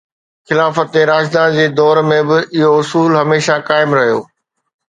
خلافت راشده جي دور ۾ به اهو اصول هميشه قائم رهيو